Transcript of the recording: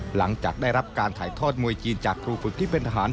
หลังจากได้รับการถ่ายทอดมวยจีนจากครูฝึกที่เป็นทหาร